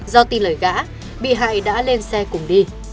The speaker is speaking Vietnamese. do tin lời gã bị hại đã lên xe cùng đi